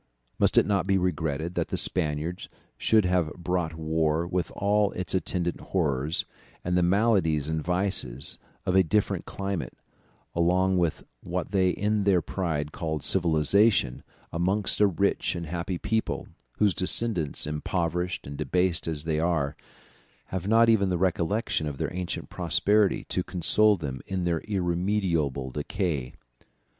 Must it not be regretted that the Spaniards should have brought war with all its attendant horrors, and the maladies and vices of a different climate, along with what they in their pride called civilization, amongst a rich and happy people, whose descendants, impoverished and debased as they are, have not even the recollection of their ancient prosperity to console them in their irremediable decay?